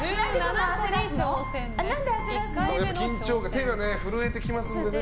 手が震えてきますからね。